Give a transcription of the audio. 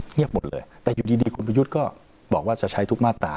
เงียบหมดเลยแต่อยู่ดีคุณประยุทธ์ก็บอกว่าจะใช้ทุกมาตรา